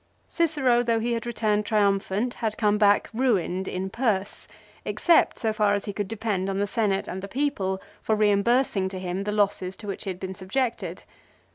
Cicero though he had returned triumphant had come back ruined in purse, except so far as he could depend on the Senate and the people for reimbursing to him the losses to which he had been subjected.